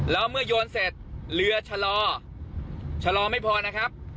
แล้วเมื่อโยนเสร็จเรือชะลอชะลอไม่พอนะครับ